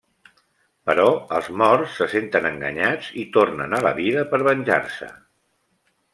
Però els morts se senten enganyats i tornen a la vida per venjar-se.